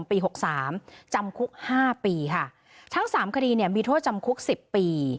หกสามจำคุกห้าปีค่ะทั้งสามคดีเนี่ยมีโทษจำคุกสิบปี